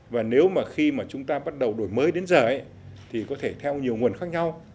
và nếu mà khi mà chúng ta bắt đầu đổi mới đến giờ ấy thì có thể theo nhiều nguồn khác nhau